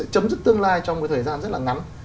chấm dứt tương lai trong cái thời gian rất là ngắn